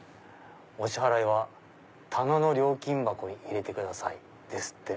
「お支払いは棚の料金箱に入れてください」ですって。